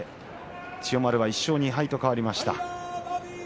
千代丸、１勝２敗と変わりました。